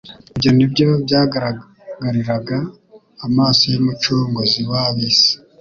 Ibyo ni byo byagaragariraga amaso y'Umucunguzi w'ab'isi.